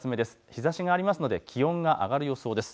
日ざしがあるので気温が上がる予想です。